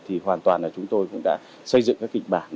thì hoàn toàn là chúng tôi cũng đã xây dựng các kịch bản